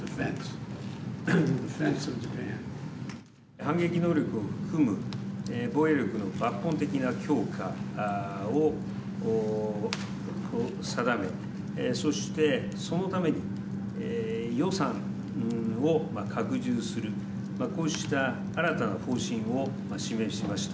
反撃能力を含む防衛力の抜本的な強化を定め、そして、そのために予算を拡充する、こうした新たな方針を示しました。